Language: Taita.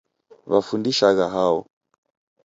Wafundishagha hao?